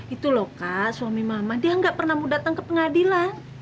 itu loh kak suami mama dia gak pernah mau datang ke pengadilan